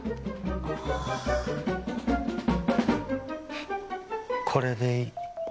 フッこれでいい。